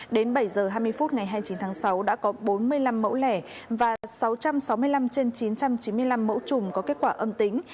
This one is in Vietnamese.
đến bảy h hai mươi phút ngày hai mươi chín tháng sáu đã có bốn mươi năm mẫu lẻ và sáu trăm sáu mươi năm trên chín trăm chín mươi năm mẫu chùm có kết quả âm tính